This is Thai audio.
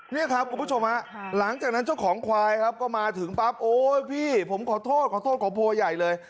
นี่ครับคุณผู้ชมฮะหลังจากนั้นเจ้าของควายครับก็มาถึงปั๊บโอ๊ยพี่ผมขอโทษขอโทษขอโพยใหญ่เลย